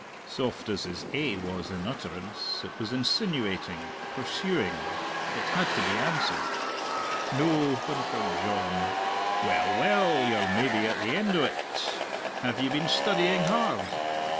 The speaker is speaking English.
Soft as his "Eh" was in utterance, it was insinuating, pursuing; it had to be answered. "No," whimpered John. "Well, well; you're maybe at the end o't! Have ye been studying hard?"